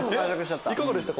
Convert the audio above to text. いかがでしたか？